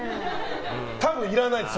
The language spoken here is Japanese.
多分、いらないです。